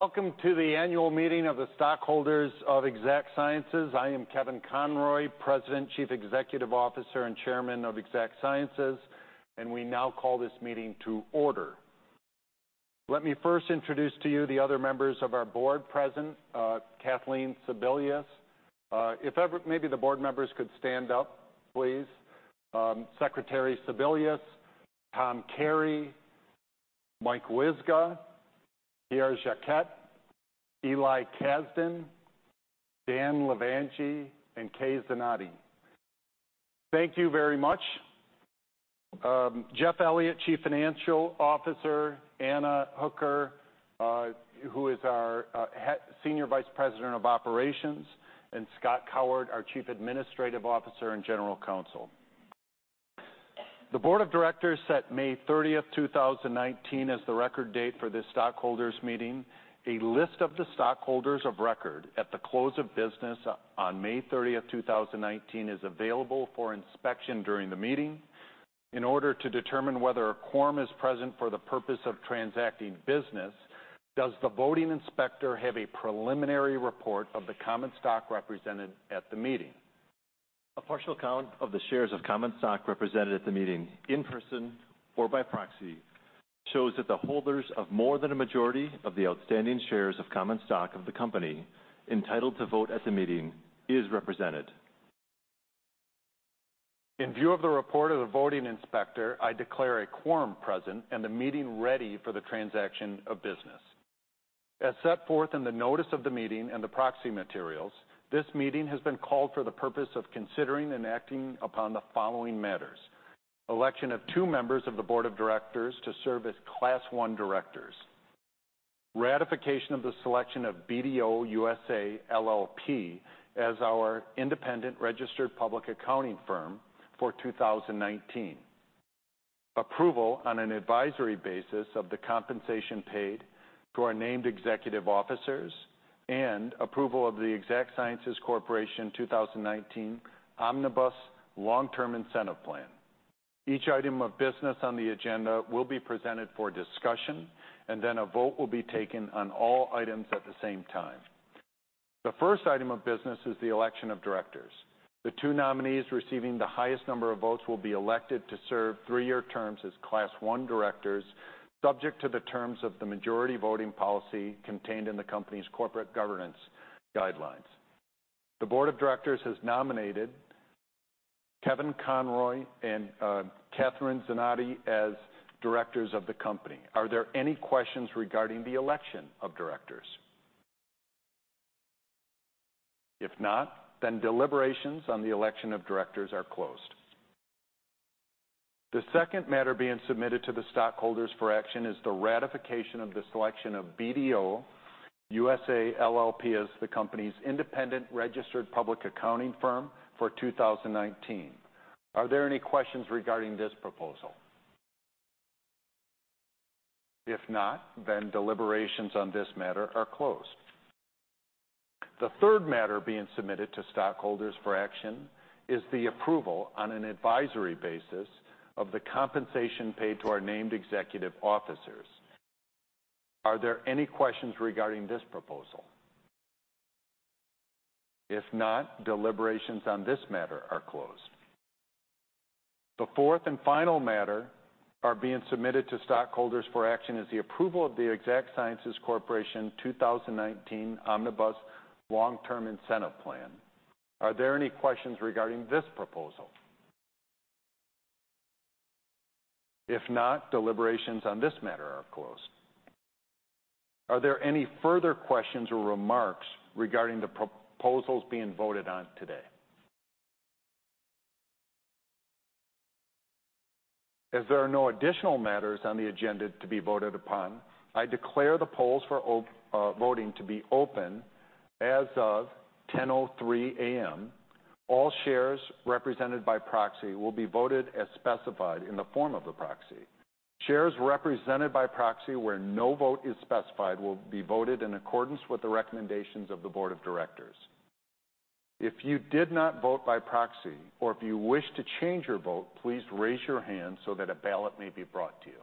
Welcome to the annual meeting of the stockholders of Exact Sciences. I am Kevin Conroy, President, Chief Executive Officer, and Chairman of Exact Sciences. We now call this meeting to order. Let me first introduce to you the other members of our board present, Kathleen Sebelius. Maybe the board members could stand up, please. Secretary Sebelius, Tom Carey, Mike Wyzga, Pierre Jacquet, Eli Casdin, Dan Levangie, and Kay Zanotti. Thank you very much. Jeff Elliott, Chief Financial Officer, Ana Hooker, who is our Senior Vice President of Operations, and Scott Coward, our Chief Administrative Officer and General Counsel. The board of directors set May 30th, 2019, as the record date for this stockholders meeting. A list of the stockholders of record at the close of business on May 30th, 2019, is available for inspection during the meeting. In order to determine whether a quorum is present for the purpose of transacting business, does the voting inspector have a preliminary report of the common stock represented at the meeting? A partial count of the shares of common stock represented at the meeting in person or by proxy shows that the holders of more than a majority of the outstanding shares of common stock of the company entitled to vote at the meeting is represented. In view of the report of the voting inspector, I declare a quorum present and the meeting ready for the transaction of business. As set forth in the notice of the meeting and the proxy materials, this meeting has been called for the purpose of considering and acting upon the following matters: election of two members of the board of directors to serve as Class I directors, ratification of the selection of BDO USA LLP as our independent registered public accounting firm for 2019, approval on an advisory basis of the compensation paid to our named executive officers, and approval of the Exact Sciences Corporation 2019 Omnibus Long-Term Incentive Plan. Each item of business on the agenda will be presented for discussion, and then a vote will be taken on all items at the same time. The first item of business is the election of directors. The two nominees receiving the highest number of votes will be elected to serve three-year terms as Class I directors, subject to the terms of the majority voting policy contained in the company's corporate governance guidelines. The Board of Directors has nominated Kevin Conroy and Katherine Zanotti as directors of the company. Are there any questions regarding the election of directors? If not, deliberations on the election of directors are closed. The second matter being submitted to the stockholders for action is the ratification of the selection of BDO USA LLP as the company's independent registered public accounting firm for 2019. Are there any questions regarding this proposal? If not, deliberations on this matter are closed. The third matter being submitted to stockholders for action is the approval on an advisory basis of the compensation paid to our named executive officers. Are there any questions regarding this proposal? If not, deliberations on this matter are closed. The fourth and final matter are being submitted to stockholders for action is the approval of the Exact Sciences Corporation 2019 Omnibus Long-Term Incentive Plan. Are there any questions regarding this proposal? If not, deliberations on this matter are closed. Are there any further questions or remarks regarding the proposals being voted on today? As there are no additional matters on the agenda to be voted upon, I declare the polls for voting to be open as of 10:03 A.M. All shares represented by proxy will be voted as specified in the form of the proxy. Shares represented by proxy where no vote is specified will be voted in accordance with the recommendations of the board of directors. If you did not vote by proxy or if you wish to change your vote, please raise your hand so that a ballot may be brought to you.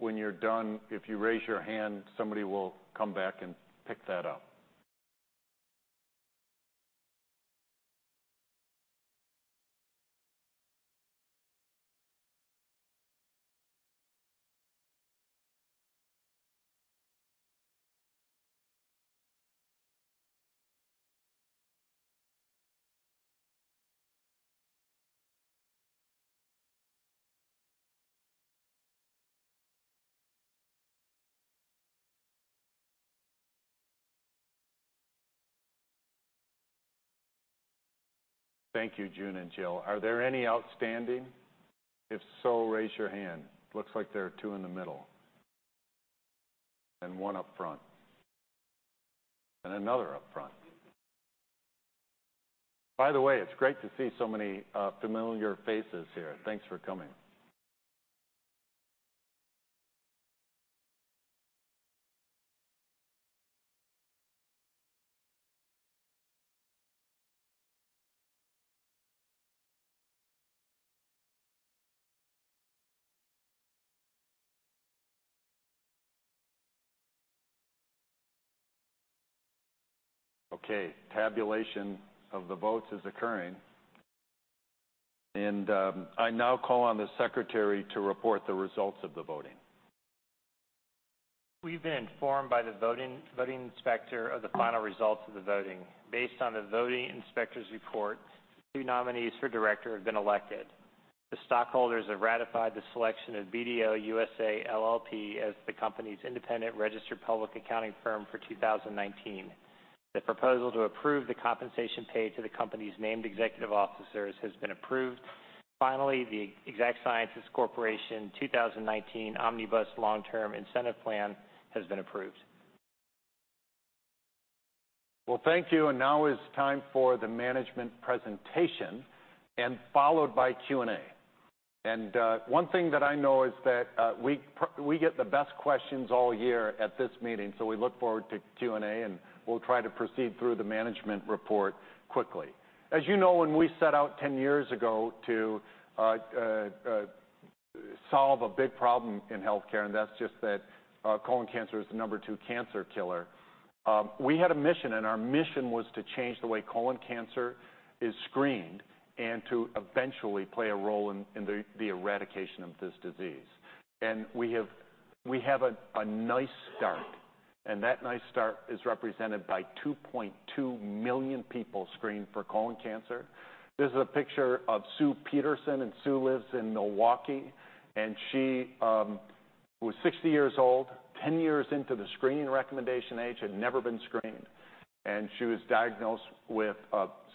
When you're done, if you raise your hand, somebody will come back and pick that up. Thank you, June and Jill. Are there any outstanding? If so, raise your hand. Looks like there are two in the middle. One up front. Another up front. By the way, it's great to see so many familiar faces here. Thanks for coming. Okay. Tabulation of the votes is occurring. I now call on the secretary to report the results of the voting. We've been informed by the voting inspector of the final results of the voting. Based on the voting inspector's report, two nominees for director have been elected. The stockholders have ratified the selection of BDO USA LLP as the company's independent registered public accounting firm for 2019. The proposal to approve the compensation paid to the company's named executive officers has been approved. Finally, the Exact Sciences Corporation 2019 Omnibus Long-Term Incentive Plan has been approved. Well, thank you. Now it's time for the management presentation, followed by Q&A. One thing that I know is that we get the best questions all year at this meeting, so we look forward to Q&A, we'll try to proceed through the management report quickly. As you know, when we set out 10 years ago to solve a big problem in healthcare, that's just that colon cancer is the number two cancer killer, we had a mission. Our mission was to change the way colon cancer is screened and to eventually play a role in the eradication of this disease. We have a nice start, that nice start is represented by 2.2 million people screened for colon cancer. This is a picture of Sue Peterson, and Sue lives in Milwaukee, and she was 60 years old, 10 years into the screening recommendation age, had never been screened. She was diagnosed with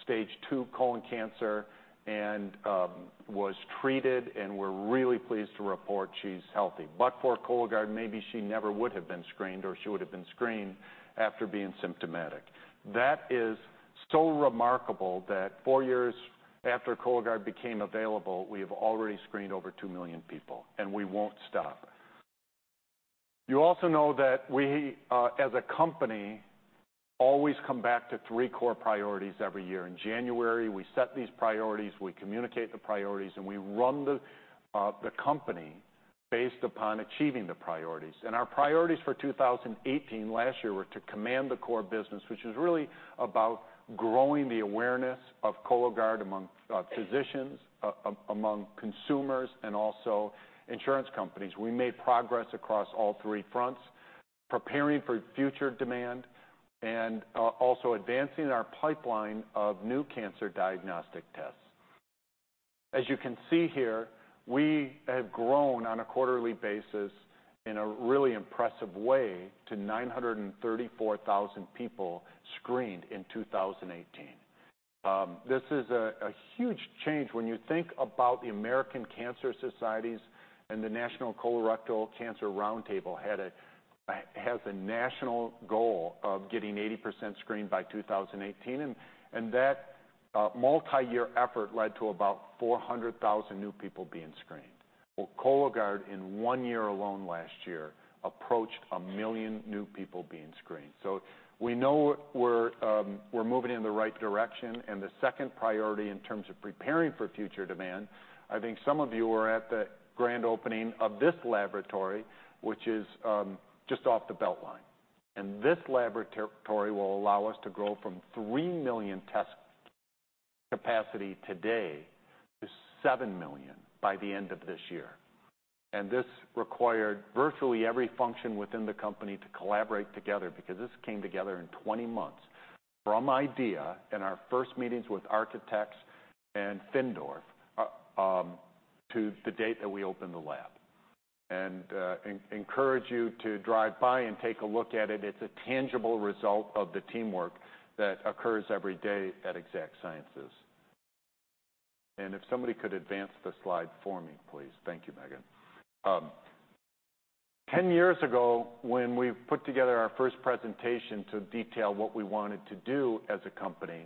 stage II colon cancer and was treated, and we're really pleased to report she's healthy. For Cologuard, maybe she never would have been screened, or she would've been screened after being symptomatic. That is so remarkable that four years after Cologuard became available, we have already screened over 2 million people, and we won't stop. You also know that we, as a company, always come back to three core priorities every year. In January, we set these priorities, we communicate the priorities, and we run the company based upon achieving the priorities. Our priorities for 2018, last year, were to command the core business, which is really about growing the awareness of Cologuard among physicians, among consumers, and also insurance companies. We made progress across all three fronts, preparing for future demand and also advancing our pipeline of new cancer diagnostic tests. As you can see here, we have grown on a quarterly basis in a really impressive way to 934,000 people screened in 2018. This is a huge change when you think about the American Cancer Society and the National Colorectal Cancer Roundtable has a national goal of getting 80% screened by 2018, and that multi-year effort led to about 400,000 new people being screened. Well, Cologuard in one year alone last year approached a million new people being screened. We know we're moving in the right direction. The second priority in terms of preparing for future demand, I think some of you were at the grand opening of this laboratory, which is just off the BeltLine. This laboratory will allow us to grow from 3 million test capacity today to 7 million by the end of this year. This required virtually every function within the company to collaborate together because this came together in 20 months from idea in our first meetings with architects and Findorff to the date that we opened the lab. Encourage you to drive by and take a look at it. It's a tangible result of the teamwork that occurs every day at Exact Sciences. If somebody could advance the slide for me, please. Thank you, Megan. 10 years ago, when we put together our first presentation to detail what we wanted to do as a company,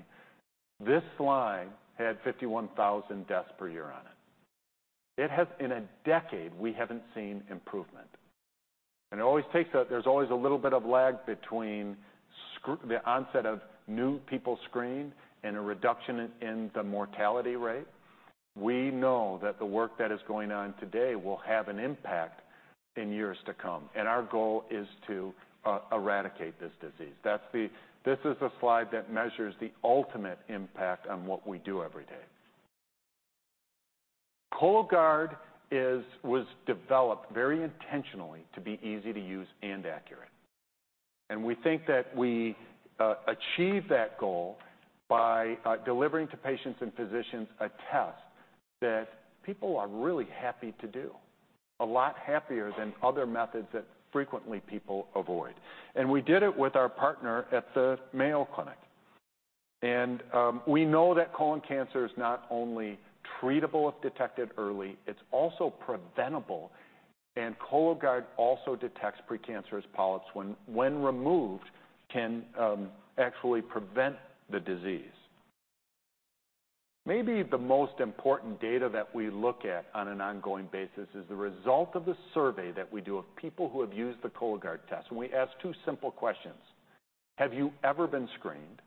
this slide had 51,000 deaths per year on it. In a decade, we haven't seen improvement. There's always a little bit of lag between the onset of new people screened and a reduction in the mortality rate. We know that the work that is going on today will have an impact in years to come, and our goal is to eradicate this disease. This is a slide that measures the ultimate impact on what we do every day. Cologuard was developed very intentionally to be easy to use and accurate, and we think that we achieve that goal by delivering to patients and physicians a test that people are really happy to do. A lot happier than other methods that frequently people avoid. We did it with our partner at the Mayo Clinic. We know that colon cancer is not only treatable if detected early, it's also preventable, and Cologuard also detects precancerous polyps, when removed, can actually prevent the disease. Maybe the most important data that we look at on an ongoing basis is the result of the survey that we do of people who have used the Cologuard test, we ask two simple questions: Have you ever been screened?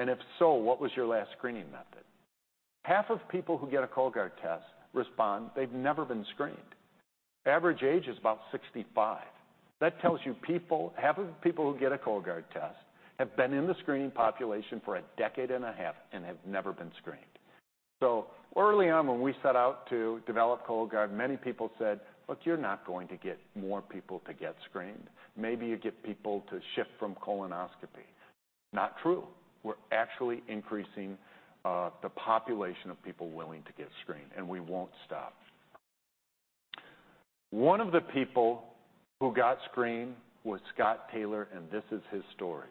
If so, what was your last screening method? Half of people who get a Cologuard test respond they've never been screened. Average age is about 65. That tells you half of the people who get a Cologuard test have been in the screening population for a decade and a half and have never been screened. Early on, when we set out to develop Cologuard, many people said, "Look, you're not going to get more people to get screened. Maybe you get people to shift from colonoscopy." Not true. We're actually increasing the population of people willing to get screened, and we won't stop. One of the people who got screened was Scott Taylor, and this is his story.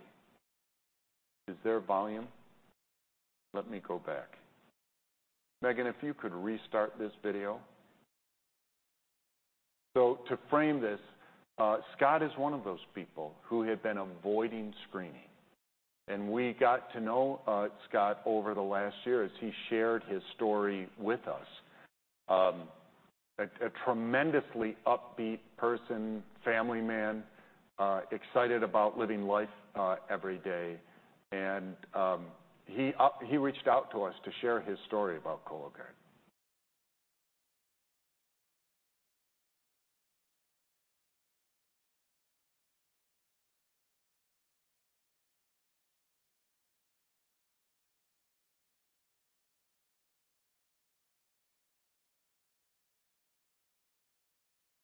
Is there volume? Let me go back. Megan, if you could restart this video. To frame this, Scott is one of those people who had been avoiding screening. We got to know Scott over the last year as he shared his story with us. A tremendously upbeat person, family man, excited about living life every day, and he reached out to us to share his story about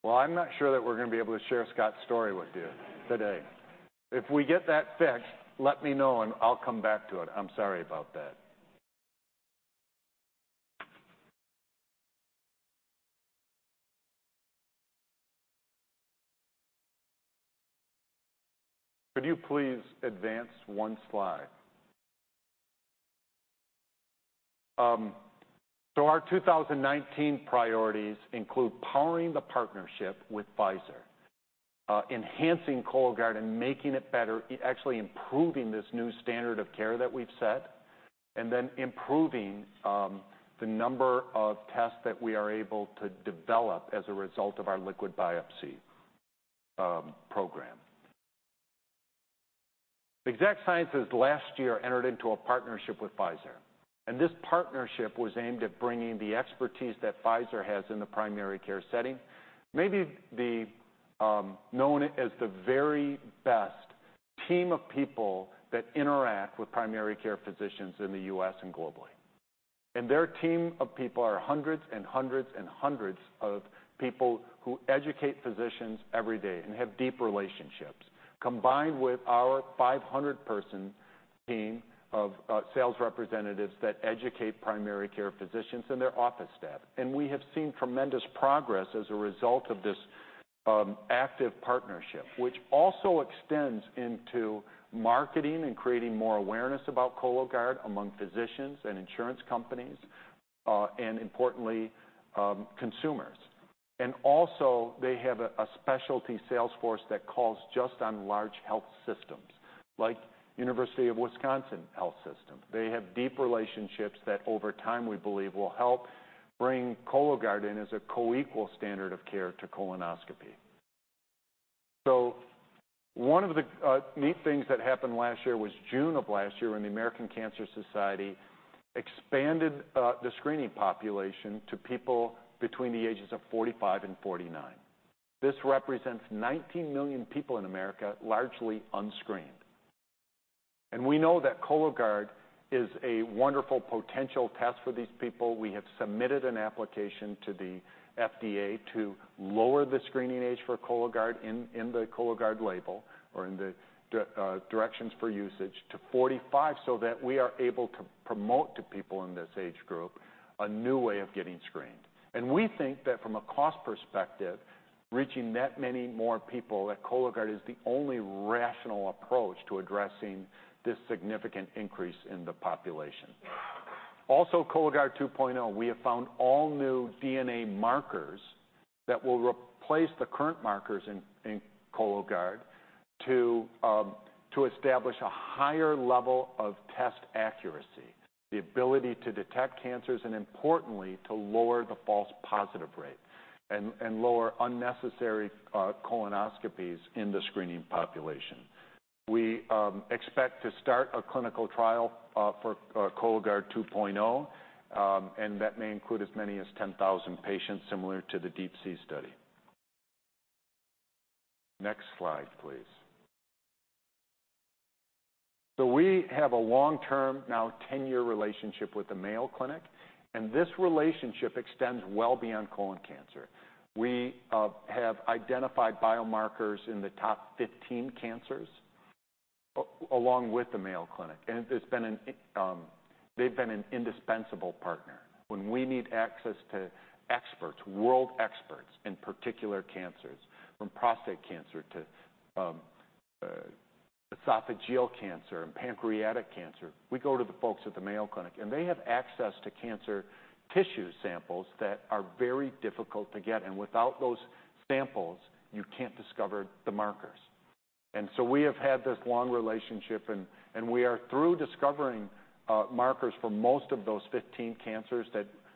Cologuard. I'm not sure that we're going to be able to share Scott's story with you today. If we get that fixed, let me know and I'll come back to it. I'm sorry about that. Could you please advance one slide? Our 2019 priorities include powering the partnership with Pfizer, enhancing Cologuard and making it better, actually improving this new standard of care that we've set, and then improving the number of tests that we are able to develop as a result of our liquid biopsy program. Exact Sciences last year entered into a partnership with Pfizer, and this partnership was aimed at bringing the expertise that Pfizer has in the primary care setting. Maybe known as the very best team of people that interact with primary care physicians in the U.S. and globally. Their team of people are hundreds and hundreds and hundreds of people who educate physicians every day and have deep relationships, combined with our 500-person team of sales representatives that educate primary care physicians and their office staff. We have seen tremendous progress as a result of this active partnership, which also extends into marketing and creating more awareness about Cologuard among physicians and insurance companies, and importantly, consumers. Also, they have a specialty salesforce that calls just on large health systems like University of Wisconsin Health System. They have deep relationships that over time, we believe, will help bring Cologuard in as a co-equal standard of care to colonoscopy. One of the neat things that happened last year was June of last year, when the American Cancer Society expanded the screening population to people between the ages of 45 and 49. This represents 19 million people in America, largely unscreened. We know that Cologuard is a wonderful potential test for these people. We have submitted an application to the FDA to lower the screening age for Cologuard in the Cologuard label or in the directions for usage to 45, so that we are able to promote to people in this age group a new way of getting screened. We think that from a cost perspective, reaching that many more people, that Cologuard is the only rational approach to addressing this significant increase in the population. Also, Cologuard 2.0, we have found all new DNA markers that will replace the current markers in Cologuard to establish a higher level of test accuracy, the ability to detect cancers, and importantly, to lower the false positive rate and lower unnecessary colonoscopies in the screening population. We expect to start a clinical trial for Cologuard 2.0, and that may include as many as 10,000 patients, similar to the DeeP-C study. Next slide, please. We have a long-term, now 10-year relationship with the Mayo Clinic, and this relationship extends well beyond colon cancer. We have identified biomarkers in the top 15 cancers. Along with the Mayo Clinic, they've been an indispensable partner. When we need access to experts, world experts, in particular cancers, from prostate cancer to esophageal cancer and pancreatic cancer, we go to the folks at the Mayo Clinic. They have access to cancer tissue samples that are very difficult to get, and without those samples, you can't discover the markers. We have had this long relationship, and we are through discovering biomarkers for most of those 15 cancers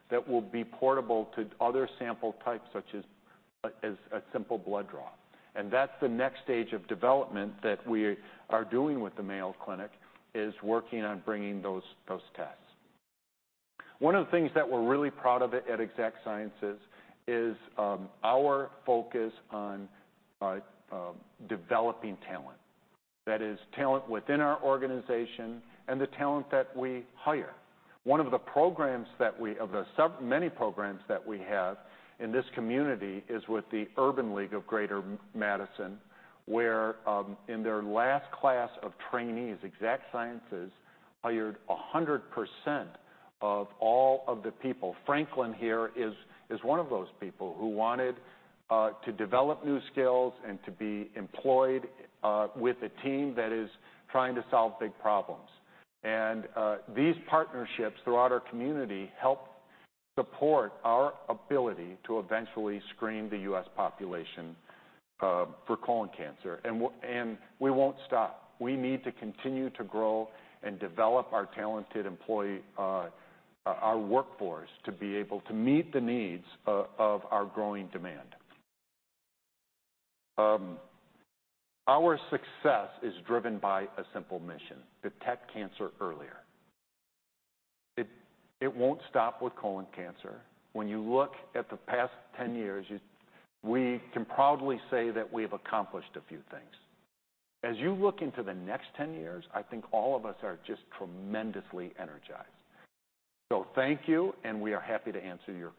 that will be portable to other sample types, such as a simple blood draw. That's the next stage of development that we are doing with the Mayo Clinic, is working on bringing those tests. One of the things that we're really proud of at Exact Sciences is our focus on developing talent. That is talent within our organization and the talent that we hire. One of the many programs that we have in this community is with the Urban League of Greater Madison, where in their last class of trainees, Exact Sciences hired 100% of all of the people. Franklin here is one of those people who wanted to develop new skills and to be employed with a team that is trying to solve big problems. These partnerships throughout our community help support our ability to eventually screen the U.S. population for colon cancer. We won't stop. We need to continue to grow and develop our talented employee, our workforce, to be able to meet the needs of our growing demand. Our success is driven by a simple mission: detect cancer earlier. It won't stop with colon cancer. When you look at the past 10 years, we can proudly say that we have accomplished a few things. As you look into the next 10 years, I think all of us are just tremendously energized. Thank you, and we are happy to answer your questions.